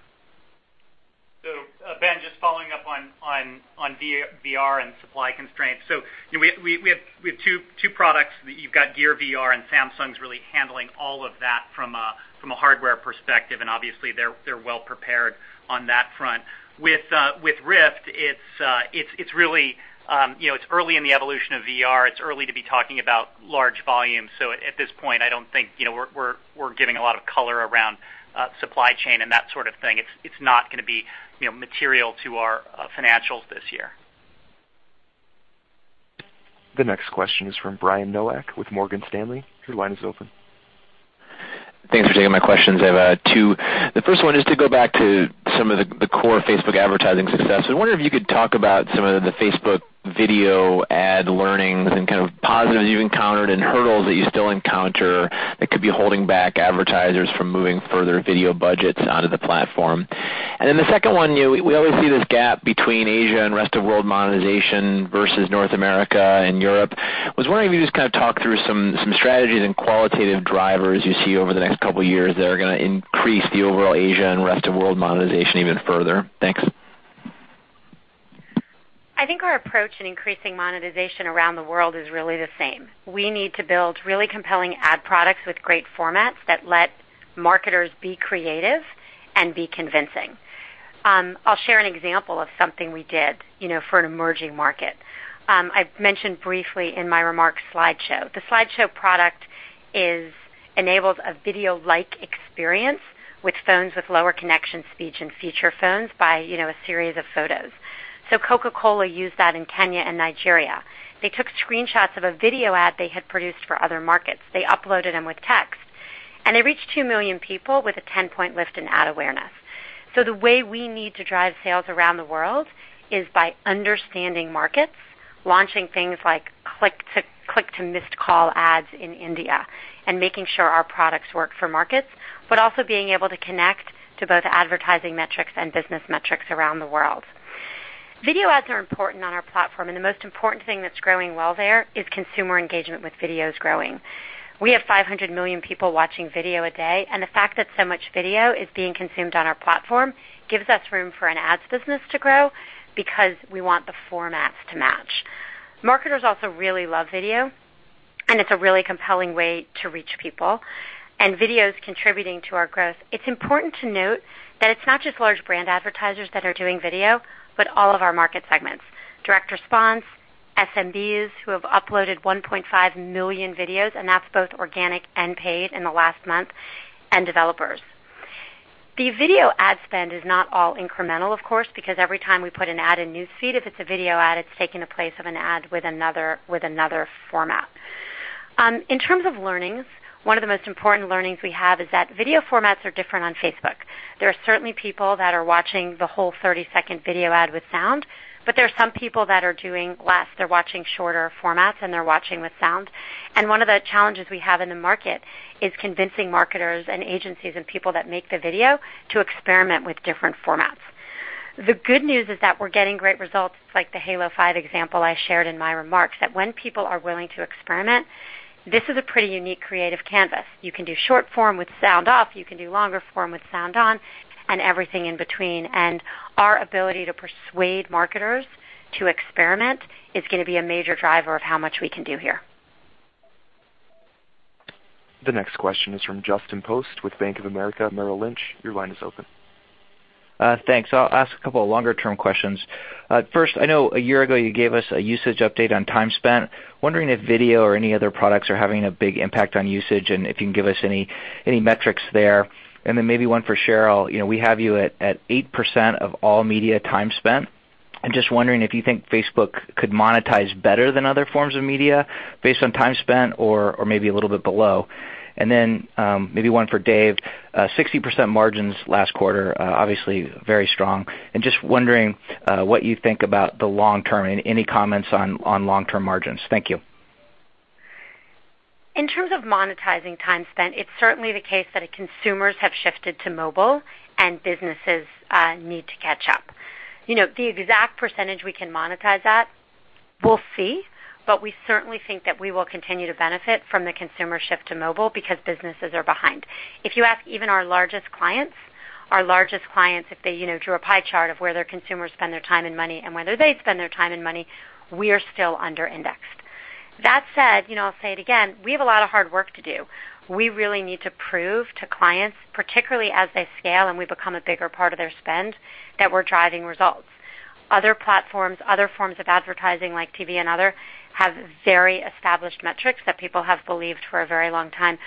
Ben, just following up on VR and supply constraints. You know, we have two products. You've got Gear VR, and Samsung's really handling all of that from a hardware perspective, and obviously they're well prepared on that front. With Rift, it's really, you know, it's early in the evolution of VR. It's early to be talking about large volumes. At this point, I don't think, you know, we're giving a lot of color around supply chain and that sort of thing. It's not gonna be, you know, material to our financials this year. The next question is from Brian Nowak with Morgan Stanley, your line is open. Thanks for taking my questions. I have two. The first one is to go back to some of the core Facebook advertising success. I wonder if you could talk about some of the Facebook video ad learnings and kind of positives you've encountered and hurdles that you still encounter that could be holding back advertisers from moving further video budgets onto the platform. The second one, you know, we always see this gap between Asia and rest of world monetization versus North America and Europe. I was wondering if you could just kind of talk through some strategies and qualitative drivers you see over the next couple years that are gonna increase the overall Asia and rest of world monetization even further. Thanks. I think our approach in increasing monetization around the world is really the same. We need to build really compelling ad products with great formats that let marketers be creative and be convincing. I'll share an example of something we did, you know, for an emerging market. I've mentioned briefly in my remarks Slideshow. The Slideshow product enables a video-like experience with phones with lower connection speeds and feature phones by, you know, a series of photos. Coca-Cola used that in Kenya and Nigeria. They took screenshots of a video ad they had produced for other markets. They uploaded them with text, and they reached 2 million people with a 10-point lift in ad awareness. The way we need to drive sales around the world is by understanding markets, launching things like click to missed call ads in India, and making sure our products work for markets, but also being able to connect to both advertising metrics and business metrics around the world. Video ads are important on our platform, and the most important thing that's growing well there is consumer engagement with videos growing. We have 500 million people watching video a day, and the fact that so much video is being consumed on our platform gives us room for an ads business to grow because we want the formats to match. Marketers also really love video, and it's a really compelling way to reach people, and video's contributing to our growth. It's important to note that it's not just large brand advertisers that are doing video, but all of our market segments. Direct response, SMBs, who have uploaded 1.5 million videos, and that's both organic and paid in the last month, and developers. The video ad spend is not all incremental, of course, because every time we put an ad in News Feed, if it's a video ad, it's taking the place of an ad with another, with another format. In terms of learnings, one of the most important learnings we have is that video formats are different on Facebook. There are certainly people that are watching the whole 30-second video ad with sound, but there are some people that are doing less. They're watching shorter formats, and they're watching with sound. One of the challenges we have in the market is convincing marketers and agencies and people that make the video to experiment with different formats. The good news is that we're getting great results, like the Halo 5 example I shared in my remarks, that when people are willing to experiment, this is a pretty unique creative canvas. You can do short form with sound off, you can do longer form with sound on, and everything in between. Our ability to persuade marketers to experiment is gonna be a major driver of how much we can do here. The next question is from Justin Post with Bank of America Merrill Lynch, your line is open. Thanks. I'll ask a couple of longer-term questions. First, I know a year ago you gave us a usage update on time spent. Wondering if video or any other products are having a big impact on usage, and if you can give us any metrics there. Then maybe one for Sheryl. You know, we have you at 8% of all media time spent. I'm just wondering if you think Facebook could monetize better than other forms of media based on time spent or maybe a little bit below. Then maybe one for Dave. 60% margins last quarter, obviously very strong. Just wondering what you think about the long term and any comments on long-term margins. Thank you. In terms of monetizing time spent, it's certainly the case that consumers have shifted to mobile and businesses need to catch up. You know, the exact percentage we can monetize that, we'll see, but we certainly think that we will continue to benefit from the consumer shift to mobile because businesses are behind. If you ask even our largest clients, if they, you know, drew a pie chart of where their consumers spend their time and money and whether they spend their time and money, we are still under indexed. That said, you know, I'll say it again, we have a lot of hard work to do. We really need to prove to clients, particularly as they scale and we become a bigger part of their spend, that we're driving results. Other platforms, other forms of advertising like TV and other, have very established metrics that people have believed for a very long time.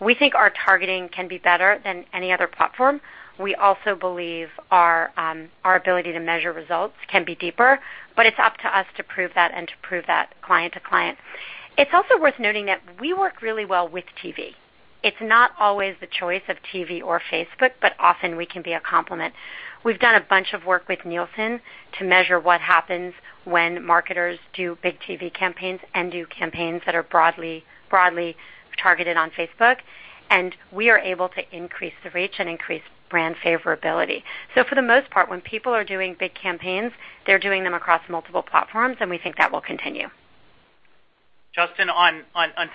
We think our targeting can be better than any other platform. We also believe our ability to measure results can be deeper, but it's up to us to prove that and to prove that client to client. It's also worth noting that we work really well with TV. It's not always the choice of TV or Facebook, but often we can be a complement. We've done a bunch of work with Nielsen to measure what happens when marketers do big TV campaigns and do campaigns that are broadly targeted on Facebook, and we are able to increase the reach and increase brand favorability. For the most part, when people are doing big campaigns, they're doing them across multiple platforms, and we think that will continue. Justin, on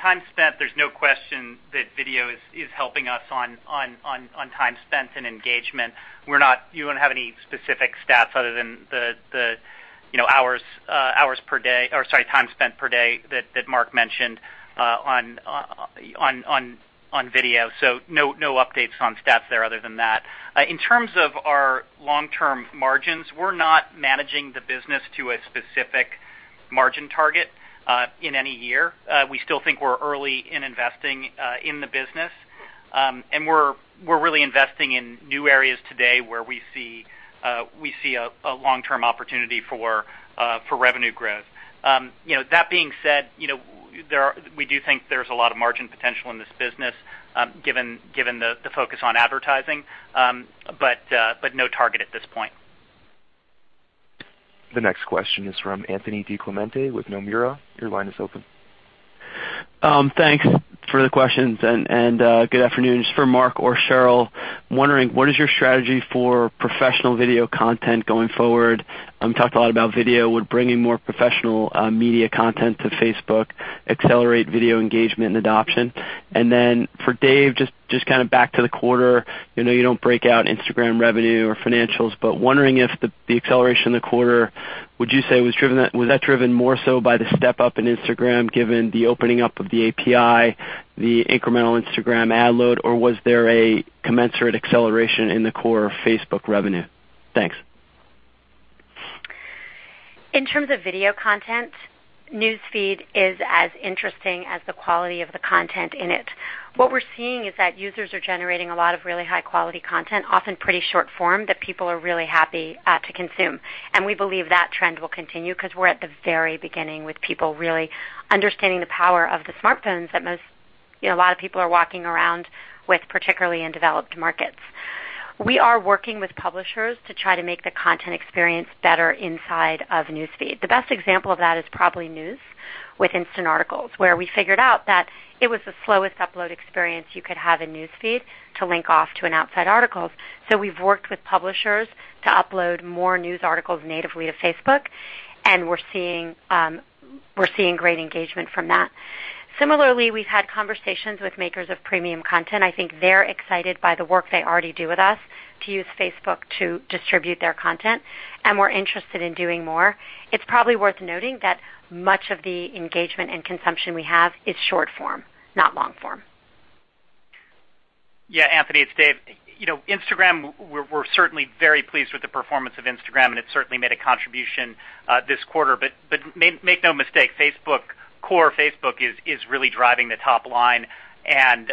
time spent, there's no question that video is helping us on time spent and engagement. You don't have any specific stats other than the, you know, hours per day or, sorry, time spent per day that Mark mentioned on video. No, no updates on stats there other than that. In terms of our long-term margins, we're not managing the business to a specific margin target in any year. We still think we're early in investing in the business. We're really investing in new areas today where we see a long-term opportunity for revenue growth. You know, that being said, you know, we do think there's a lot of margin potential in this business, given the focus on advertising, but no target at this point. The next question is from Anthony DiClemente with Nomura, your line is open. Thanks for the questions and good afternoon. Just for Mark or Sheryl, wondering what is your strategy for professional video content going forward? You talked a lot about video. Would bringing more professional media content to Facebook accelerate video engagement and adoption? For Dave, just kind of back to the quarter. You know, you don't break out Instagram revenue or financials, but wondering if the acceleration in the quarter, would you say was driven more so by the step up in Instagram, given the opening up of the API, the incremental Instagram ad load, or was there a commensurate acceleration in the core of Facebook revenue? Thanks. In terms of video content, News Feed is as interesting as the quality of the content in it. What we're seeing is that users are generating a lot of really high-quality content, often pretty short form, that people are really happy to consume. We believe that trend will continue because we're at the very beginning with people really understanding the power of the smartphones that most, you know, a lot of people are walking around with, particularly in developed markets. We are working with publishers to try to make the content experience better inside of News Feed. The best example of that is probably news with Instant Articles, where we figured out that it was the slowest upload experience you could have in News Feed to link off to an outside articles. We've worked with publishers to upload more news articles natively to Facebook, and we're seeing great engagement from that. Similarly, we've had conversations with makers of premium content. I think they're excited by the work they already do with us to use Facebook to distribute their content, and we're interested in doing more. It's probably worth noting that much of the engagement and consumption we have is short form, not long form. Yeah, Anthony, it's Dave. You know, Instagram, we're certainly very pleased with the performance of Instagram, and it certainly made a contribution this quarter. Make no mistake, Facebook, core Facebook is really driving the top line, and,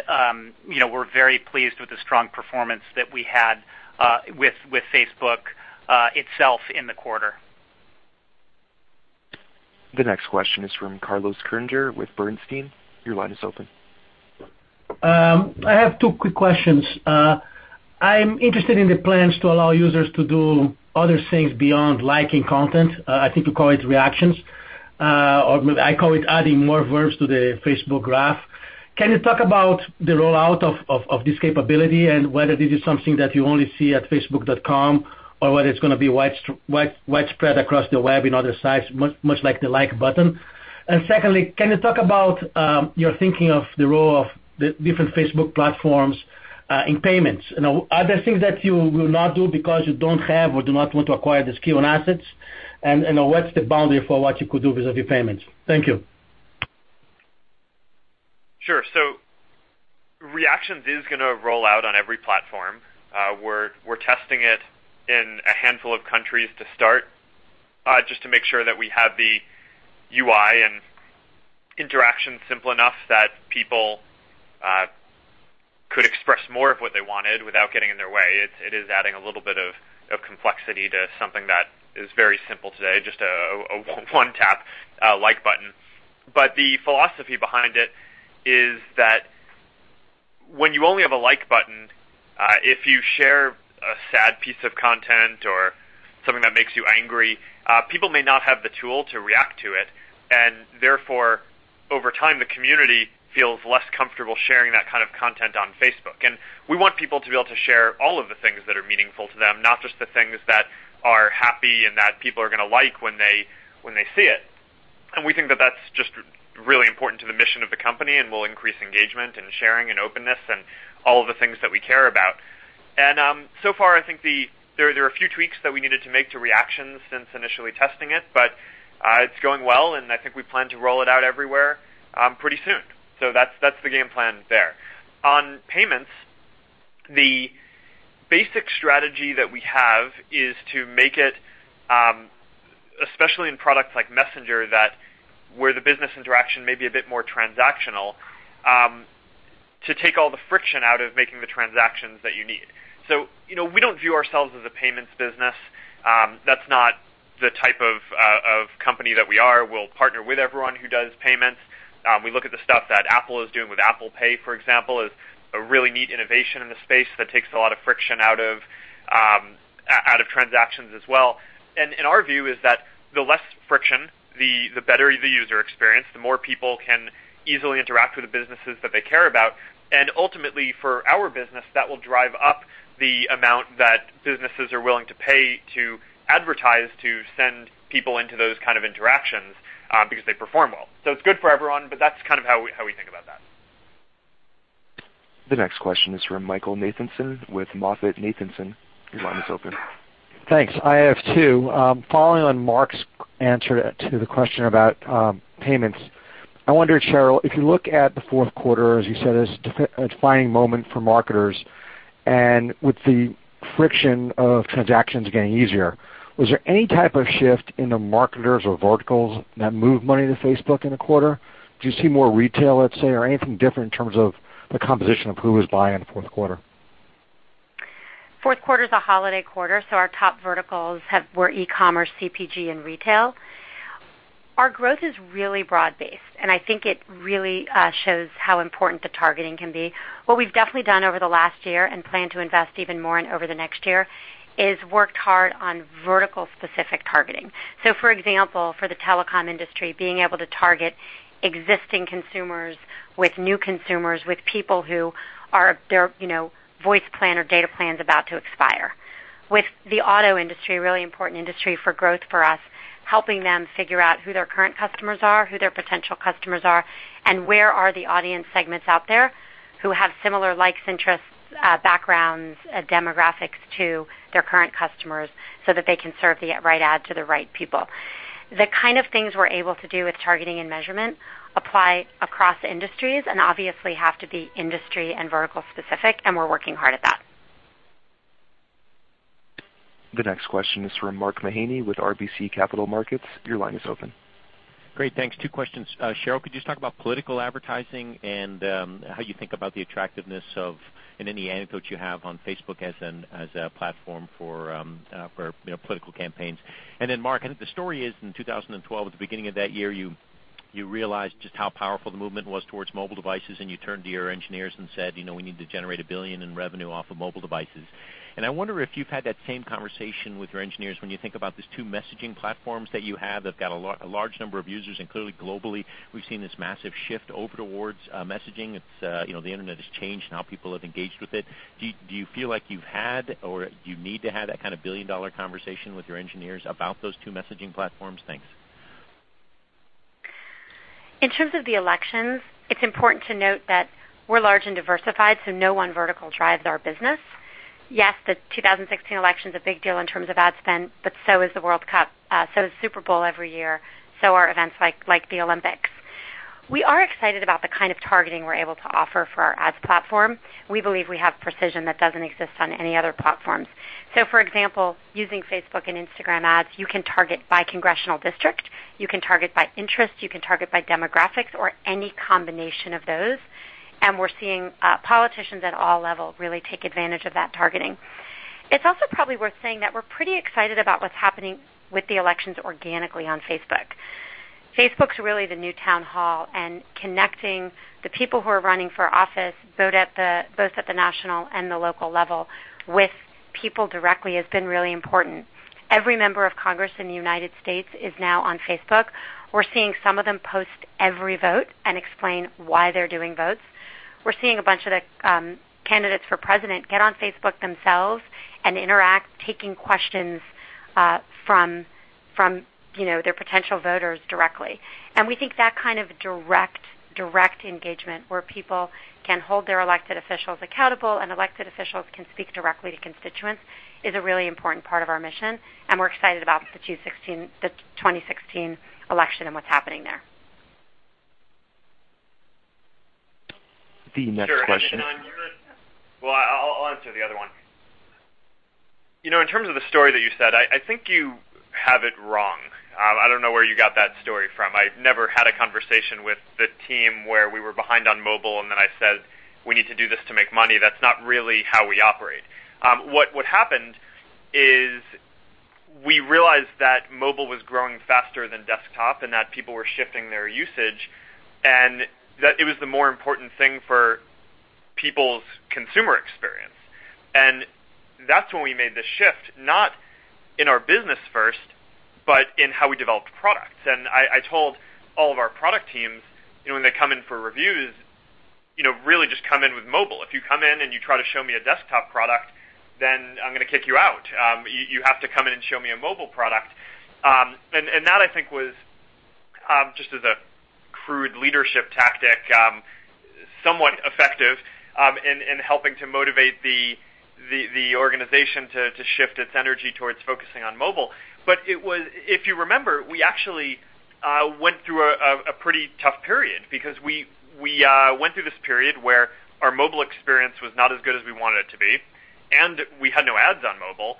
you know, we're very pleased with the strong performance that we had with Facebook itself in the quarter. The next question is from Carlos Kirjner with Bernstein, your line is open. I have two quick questions. I'm interested in the plans to allow users to do other things beyond liking content. I think you call it Reactions, or I call it adding more verbs to the Facebook Graph. Can you talk about the rollout of this capability and whether this is something that you only see at facebook.com or whether it's gonna be widespread across the web in other sites, much, much like the Like button? Secondly, can you talk about your thinking of the role of the different Facebook platforms in payments? You know, are there things that you will not do because you don't have or do not want to acquire the skill and assets? What's the boundary for what you could do with the payments? Thank you. Reactions is gonna roll out on every platform. We're testing it in a handful of countries to start just to make sure that we have the UI and interaction simple enough that people could express more of what they wanted without getting in their way. It is adding a little bit of complexity to something that is very simple today, just a one-tap Like button. The philosophy behind it is that when you only have a Like button, if you share a sad piece of content or something that makes you angry, people may not have the tool to react to it. Therefore, over time, the community feels less comfortable sharing that kind of content on Facebook. We want people to be able to share all of the things that are meaningful to them, not just the things that are happy and that people are gonna like when they see it. We think that that's just really important to the mission of the company and will increase engagement and sharing and openness and all of the things that we care about. So far, I think there are a few tweaks that we needed to make to Reactions since initially testing it, but it's going well, and I think we plan to roll it out everywhere pretty soon. That's the game plan there. On payments, the basic strategy that we have is to make it, especially in products like Messenger that where the business interaction may be a bit more transactional, to take all the friction out of making the transactions that you need. You know, we don't view ourselves as a payments business. That's not the type of company that we are. We'll partner with everyone who does payments. We look at the stuff that Apple is doing with Apple Pay, for example, as a really neat innovation in the space that takes a lot of friction out of transactions as well. Our view is that the less friction, the better the user experience, the more people can easily interact with the businesses that they care about. Ultimately, for our business, that will drive up the amount that businesses are willing to pay to advertise to send people into those kind of interactions, because they perform well. It's good for everyone, but that's kind of how we, how we think about that. The next question is from Michael Nathanson with MoffettNathanson, your line is open. Thanks. I have two. Following on Mark's answer to the question about payments, I wonder, Sheryl, if you look at the fourth quarter, as you said, as a defining moment for marketers, and with the friction of transactions getting easier, was there any type of shift in the marketers or verticals that moved money to Facebook in the quarter? Do you see more retail, let's say, or anything different in terms of the composition of who was buying in the fourth quarter? Fourth quarter is a holiday quarter, our top verticals were e-commerce, CPG, and retail. Our growth is really broad-based, I think it really shows how important the targeting can be. What we've definitely done over the last year and plan to invest even more in over the next year is worked hard on vertical-specific targeting. For example, for the telecom industry, being able to target existing consumers with new consumers, with people who are, their, you know, voice plan or data plan's about to expire. With the auto industry, really important industry for growth for us, helping them figure out who their current customers are, who their potential customers are, and where are the audience segments out there who have similar likes, interests, backgrounds, demographics to their current customers so that they can serve the right ad to the right people. The kind of things we're able to do with targeting and measurement apply across industries and obviously have to be industry and vertical specific, and we're working hard at that. The next question is from Mark Mahaney with RBC Capital Markets, your line is open. Great. Thanks. Two questions. Sheryl, could you just talk about political advertising and how you think about the attractiveness of, and any anecdotes you have on Facebook as a platform for, you know, political campaigns? Mark, I think the story is in 2012, at the beginning of that year, you realized just how powerful the movement was towards mobile devices, and you turned to your engineers and said, you know, we need to generate a billion in revenue off of mobile devices. I wonder if you've had that same conversation with your engineers when you think about these two messaging platforms that you have that got a large number of users, and clearly globally, we've seen this massive shift over towards messaging. It's, you know, the internet has changed and how people have engaged with it. Do you feel like you've had or do you need to have that kind of billion-dollar conversation with your engineers about those two messaging platforms? Thanks. In terms of the elections, it's important to note that we're large and diversified, so no one vertical drives our business. Yes, the 2016 election is a big deal in terms of ad spend, but so is the World Cup, so is Super Bowl every year, so are events like the Olympics. We are excited about the kind of targeting we're able to offer for our ads platform. We believe we have precision that doesn't exist on any other platforms. For example, using Facebook and Instagram ads, you can target by congressional district, you can target by interest, you can target by demographics or any combination of those, and we're seeing politicians at all levels really take advantage of that targeting. It's also probably worth saying that we're pretty excited about what's happening with the elections organically on Facebook. Facebook's really the new town hall, connecting the people who are running for office both at the national and the local level with people directly has been really important. Every member of Congress in the United States is now on Facebook. We're seeing some of them post every vote and explain why they're doing votes. We're seeing a bunch of the candidates for president get on Facebook themselves and interact, taking questions from, you know, their potential voters directly. We think that kind of direct engagement where people can hold their elected officials accountable and elected officials can speak directly to constituents is a really important part of our mission, and we're excited about the 2016 election and what's happening there. The next question- Sure. I'll answer the other one. You know, in terms of the story that you said, I think you have it wrong. I don't know where you got that story from. I've never had a conversation with the team where we were behind on mobile, and then I said, we need to do this to make money. That's not really how we operate. What happened is we realized that mobile was growing faster than desktop and that people were shifting their usage, and that it was the more important thing for people's consumer experience. That's when we made the shift, not in our business first, but in how we developed products. I told all of our product teams, you know, when they come in for reviews, you know, really just come in with mobile. If you come in and you try to show me a desktop product, then I'm gonna kick you out. You have to come in and show me a mobile product. That I think was just as a crude leadership tactic, somewhat effective in helping to motivate the organization to shift its energy towards focusing on mobile. If you remember, we actually went through a pretty tough period because we went through this period where our mobile experience was not as good as we wanted it to be, and we had no ads on mobile.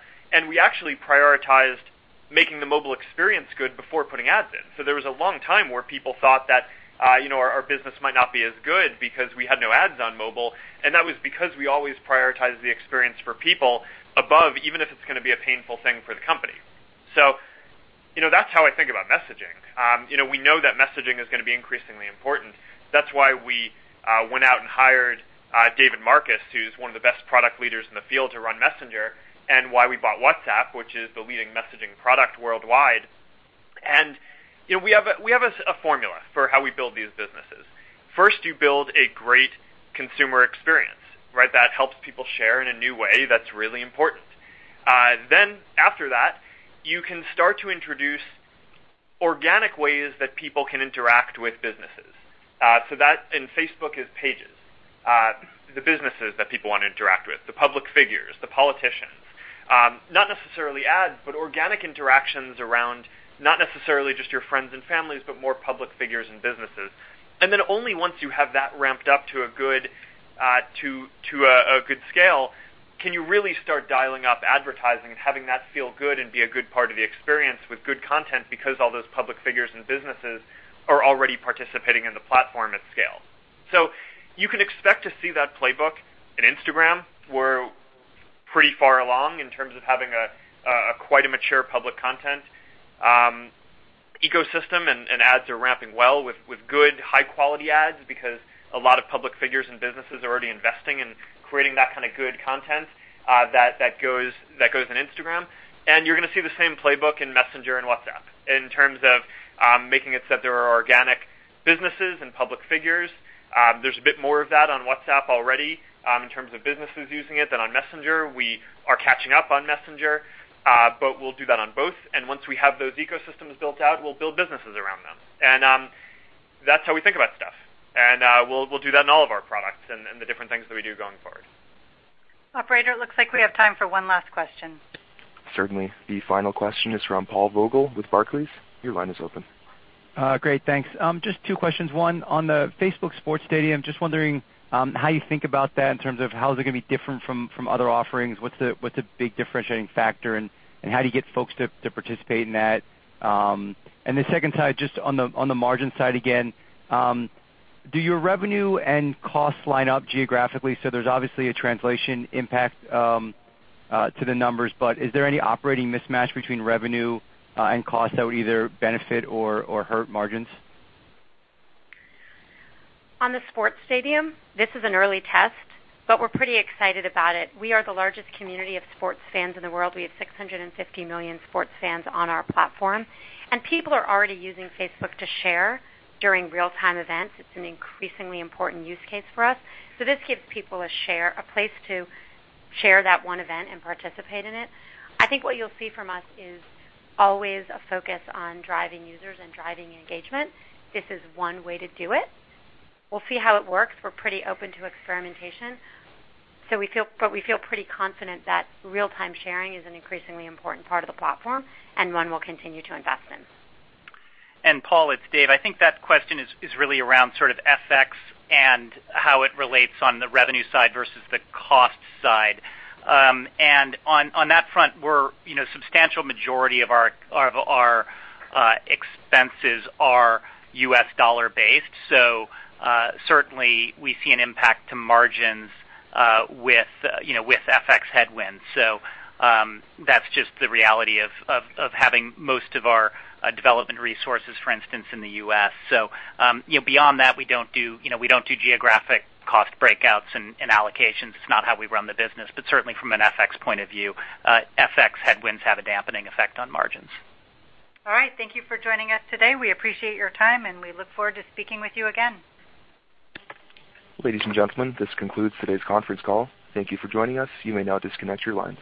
We actually prioritized making the mobile experience good before putting ads in. There was a long time where people thought that, you know, our business might not be as good because we had no ads on mobile, and that was because we always prioritized the experience for people above, even if it's gonna be a painful thing for the company. You know, that's how I think about messaging. You know, we know that messaging is gonna be increasingly important. That's why we went out and hired David Marcus, who's one of the best product leaders in the field, to run Messenger, and why we bought WhatsApp, which is the leading messaging product worldwide. You know, we have a formula for how we build these businesses. First, you build a great consumer experience, right? That helps people share in a new way that's really important. After that, you can start to introduce organic ways that people can interact with businesses. That in Facebook is Pages, the businesses that people wanna interact with, the public figures, the politicians. Not necessarily ads, but organic interactions around not necessarily just your friends and families, but more public figures and businesses. Only once you have that ramped up to a good scale, can you really start dialing up advertising and having that feel good and be a good part of the experience with good content because all those public figures and businesses are already participating in the platform at scale. You can expect to see that playbook in Instagram. We're pretty far along in terms of having a quite a mature public content ecosystem, and ads are ramping well with good high-quality ads because a lot of public figures and businesses are already investing in creating that kind of good content that goes in Instagram. You're gonna see the same playbook in Messenger and WhatsApp in terms of making it so that there are organic businesses and public figures. There's a bit more of that on WhatsApp already in terms of businesses using it than on Messenger. We are catching up on Messenger, but we'll do that on both. Once we have those ecosystems built out, we'll build businesses around them. That's how we think about stuff. We'll do that in all of our products and the different things that we do going forward. Operator, it looks like we have time for one last question. Certainly. The final question is from Paul Vogel with Barclays, your line is open. Great, thanks. Just two questions. One, on the Facebook Sports Stadium, just wondering, how you think about that in terms of how is it gonna be different from other offerings? What's the big differentiating factor, and how do you get folks to participate in that? The second side, just on the margin side again, do your revenue and costs line up geographically? There's obviously a translation impact to the numbers, but is there any operating mismatch between revenue and cost that would either benefit or hurt margins? On the Sports Stadium, this is an early test, but we're pretty excited about it. We are the largest community of sports fans in the world. We have 650 million sports fans on our platform, people are already using Facebook to share during real-time events. It's an increasingly important use case for us. This gives people a share, a place to share that one event and participate in it. I think what you'll see from us is always a focus on driving users and driving engagement. This is one way to do it. We'll see how it works. We're pretty open to experimentation. We feel pretty confident that real-time sharing is an increasingly important part of the platform and one we'll continue to invest in. Paul, it's Dave. I think that question is really around sort of FX and how it relates on the revenue side versus the cost side. On that front, we're, you know, substantial majority of our expenses are U.S. dollar-based. Certainly we see an impact to margins with, you know, with FX headwinds. That's just the reality of having most of our development resources, for instance, in the U.S. You know, beyond that, we don't do, you know, we don't do geographic cost breakouts and allocations. It's not how we run the business. Certainly from an FX point of view, FX headwinds have a dampening effect on margins. All right. Thank you for joining us today. We appreciate your time, and we look forward to speaking with you again. Ladies and gentlemen, this concludes today's conference call. Thank you for joining us, you may now disconnect your lines.